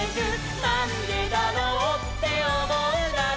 「なんでだろうっておもうなら」